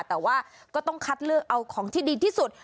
แต่ว่าก็ต้องคัดเลือกเอาของที่ดีที่สุด